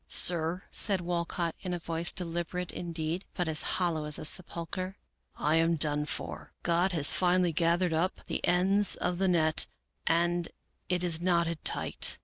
" Sir," said Walcott, in a voice deliberate, indeed, but as hollow as a sepulcher, " I am done for. God has finally gathered up the ends of the net, and it is knotted tight."